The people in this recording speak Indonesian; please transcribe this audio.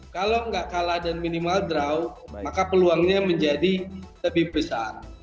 kalau nggak kalah dan minimal draw maka peluangnya menjadi lebih besar